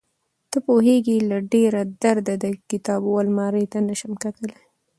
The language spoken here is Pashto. ته پوهېږې له ډېره درده د کتابو المارۍ ته نشم کتلى.